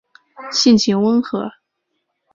性情温和。